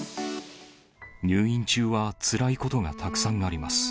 入院中はつらいことがたくさんあります。